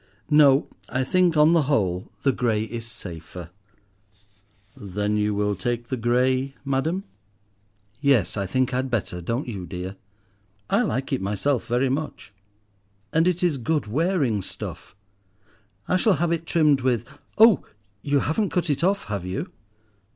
No, I think, on the whole, the grey is safer." "Then you will take the grey, madam?" "Yes, I think I'd better; don't you, dear?" "I like it myself very much." "And it is good wearing stuff. I shall have it trimmed with— Oh! you haven't cut it off, have you?"